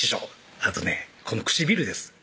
あとねこの唇です